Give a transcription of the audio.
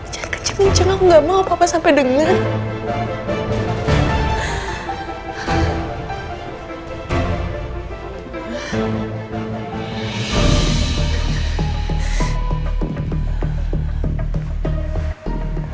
jangan keceming keceming aku gak mau papa sampai dengar